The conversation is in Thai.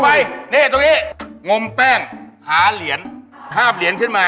ไปนี่ตรงนี้งมแป้งหาเหรียญคาบเหรียญขึ้นมา